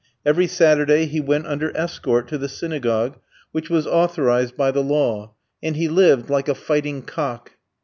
Every Saturday he went under escort to the synagogue (which was authorised by the law); and he lived like a fighting cock.